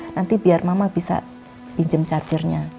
nanti biar mama bisa pinjam chargernya